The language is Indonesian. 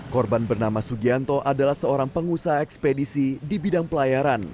korban bernama sugianto adalah seorang pengusaha ekspedisi di bidang pelayaran